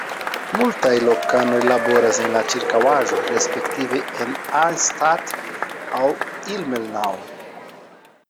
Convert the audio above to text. Multaj lokanoj laboras en la ĉirkaŭaĵo respektive en Arnstadt aŭ Ilmenau.